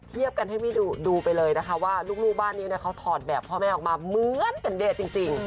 กันให้ดูไปเลยนะคะว่าลูกบ้านนี้เขาถอดแบบพ่อแม่ออกมาเหมือนกันเด้จริง